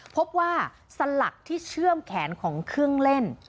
พบว่าสลักที่เชื่อมแขนของเครื่องเล่น